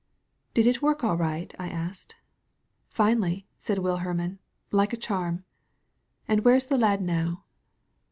"Did it work aU right?" I asked. "Finely," said WiU Hermann, "like a charm." "And where is the lad now?"